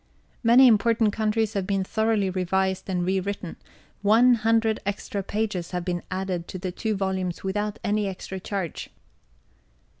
Many important countries have been thoroughly revised and re written. One hundred extra pages have been added to the two volumes without any extra charge.